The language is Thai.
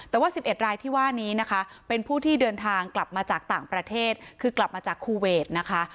แต่ว่า๑๑รายที่ว่านี้นะคะเป็นผู้ที่เดินทางกลับมาจากต่างประเทศคือกลับมาจากคูเวทนะคะ